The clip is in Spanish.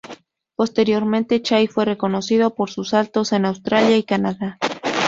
Posteriormente, Chai fue reconocido por sus saltos en Australia y Canadá.